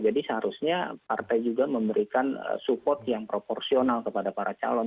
jadi seharusnya partai juga memberikan support yang proporsional kepada para calon